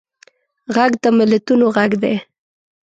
غږ د ملتونو غږ دی